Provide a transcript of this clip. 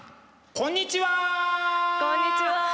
こんにちは！